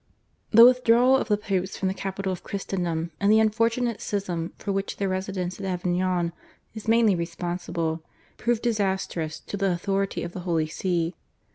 The withdrawal of the Popes from the capital of Christendom and the unfortunate schism, for which their residence at Avignon is mainly responsible, proved disastrous to the authority of the Holy See.